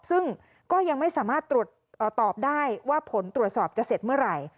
ซึ่งก็ยังไม่สามารถตรวจสอบได้ว่าผลตรวจสอบจะเสร็จเมื่อไหร่